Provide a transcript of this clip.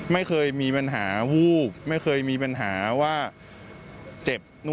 ไม่เคยมีปัญหาวูบไม่เคยมีปัญหาว่าเจ็บนู่น